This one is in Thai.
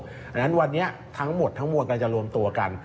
เพราะฉะนั้นวันนี้ทั้งหมดทั้งมวลกันจะรวมตัวกัน